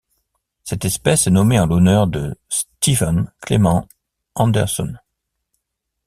Cette espèce est nommée en l'honneur de Steven Clement Anderson.